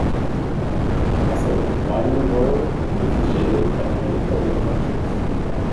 As a "Minor Royal", he officiated at many public functions.